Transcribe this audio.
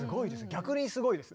逆にすごいです。